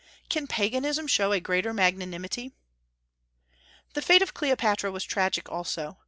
Can Paganism show a greater magnanimity? The fate of Cleopatra was tragic also.